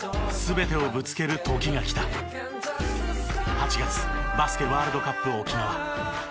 ８月バスケワールドカップ沖縄。